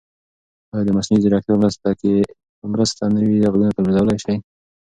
ایا د مصنوعي ځیرکتیا په مرسته نوي غږونه تولیدولای شئ؟